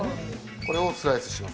これもスライスします。